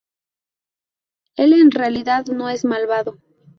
Él en realidad no es malvado.